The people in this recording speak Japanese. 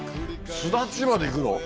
巣立ちまでいくの？